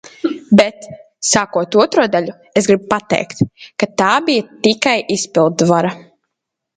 Bet, sākot otro daļu, es gribu pateikt, ka tā bija tikai izpildvara.